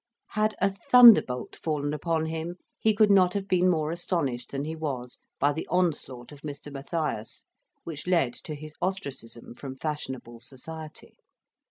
Had a thunderbolt fallen upon him, he could not have been more astonished than he was by the onslaught of Mr. Matthias, which led to his ostracism from fashionable society.